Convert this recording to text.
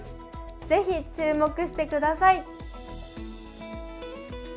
ぜひ、注目してください。